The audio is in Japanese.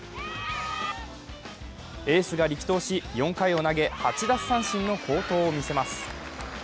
エースが力投し、４回を投げ８奪三振の好投を見せます。